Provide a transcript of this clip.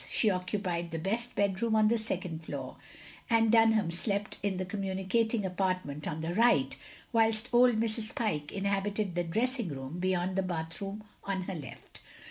She occupied the best bedroom on the second floor, and Dunham slept in the communicating apartment on the right, whilst old Mrs. Pyke inhabited the dressing room beyond the bathroom on her left.